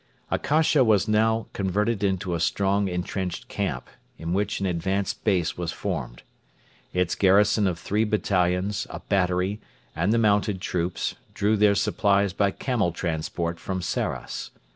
Akasha was now converted into a strong entrenched camp, in which an advanced base was formed. Its garrison of three battalions, a battery, and the mounted troops, drew their supplies by camel transport from Sarras.